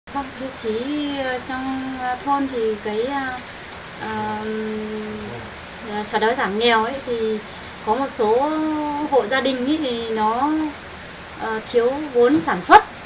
không tiêu chí trong thôn thì cái xã đó giảm nghèo thì có một số hộ gia đình thì nó thiếu vốn sản xuất